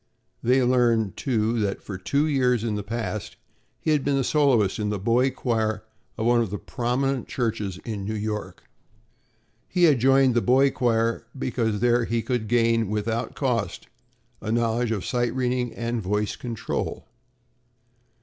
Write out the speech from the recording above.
They learned too that for two years past he had been the soloist in the boy choir of one of the prominent churches in New York. He had joined the boy choir because there he could gain, without cost, a knowledge of sight reading and voice control.